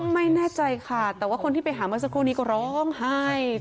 ไม่แน่ใจค่ะแต่ว่าคนที่ไปหาเมื่อสักครู่นี้ก็ร้องไห้